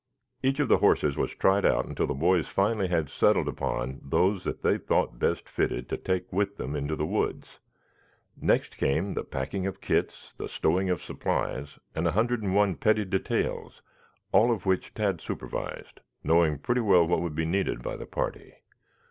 Each of the horses was tried out until the boys finally had settled upon those that they thought best fitted to take with them into the woods. Next came the packing of kits, the stowing of supplies, and a hundred and one petty details, all of which Tad supervised, knowing pretty well what would be needed by the party.